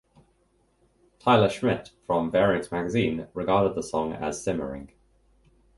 Tyler Schmitt from "Variance Magazine" regarded the song as "simmering".